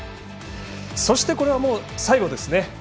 そして、これは最後ですね。